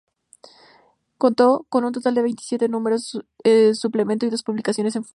Contó con un total de veintisiete números, un suplemento y dos publicaciones en folio.